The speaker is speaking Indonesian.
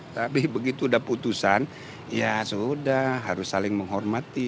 tapi begitu ada putusan ya sudah harus saling menghormati